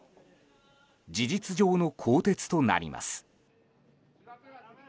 事実上の更迭となります。